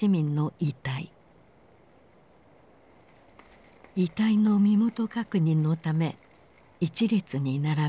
遺体の身元確認のため一列に並べられた。